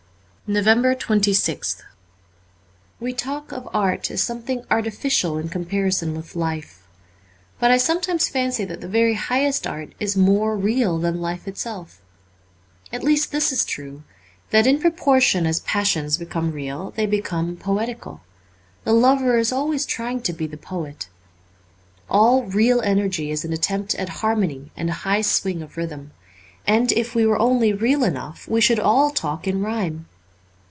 365 NOVEMBER 26th WE talk of art as something artificial in comparison with life. But I sometimes fancy that the very highest art is more real than life itself. At least this is true : that in proportion as passions become real they become poetical ; the lover is always trying to be the poet. All real energy is an attempt at harmony and a high swing of rhythm ; and if we were only real enough we should all talk in rhyme.